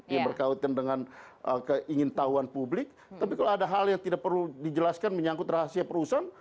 yang berkaitan dengan keingin tahuan publik tapi kalau ada hal yang tidak perlu dijelaskan menyangkut rahasia perusahaan